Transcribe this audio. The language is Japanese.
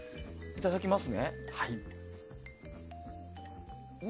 いただきます。